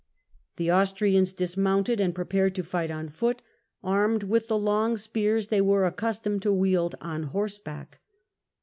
The 108 THE END OF THE MIDDLE AGE Austrians dismounted and prepared to fight on foot, armed with the long spears they were accustomed to wield on horseback.